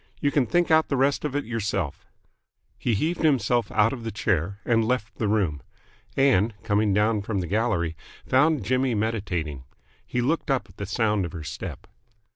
You can think out the rest of it yourself." He heaved himself out of the chair, and left the room. Ann, coming down from the gallery, found Jimmy meditating. He looked up at the sound of her step.